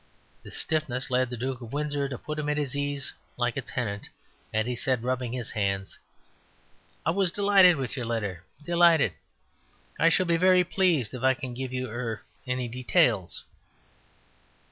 This stiffness led the Duke of Windsor to put him at his ease (like a tenant), and he said, rubbing his hands: "I was delighted with your letter... delighted. I shall be very pleased if I can give you er any details."